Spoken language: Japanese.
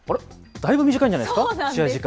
だいぶ短いんじゃないんですか？